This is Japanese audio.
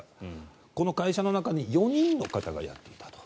この会社の中の４人の方がやっていたと。